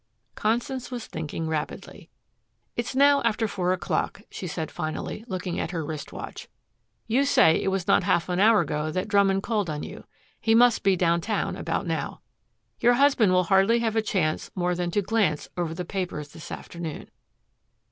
Constance was thinking rapidly. "It is now after four o'clock," she said finally, looking at her wrist watch. "You say it was not half an hour ago that Drummond called on you. He must be downtown about now. Your husband will hardly have a chance more than to glance over the papers this afternoon."